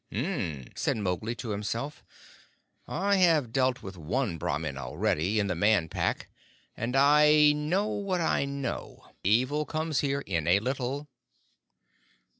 "Umm!" said Mowgli to himself. "I have dealt with one Brahmin already, in the Man Pack, and I know what I know. Evil comes here in a little."